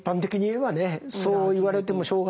そう言われてもしょうがない。